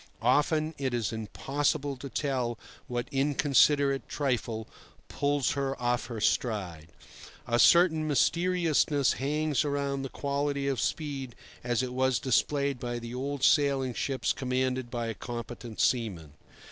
Often it is impossible to tell what inconsiderate trifle puts her off her stride. A certain mysteriousness hangs around the quality of speed as it was displayed by the old sailing ships commanded by a competent seaman.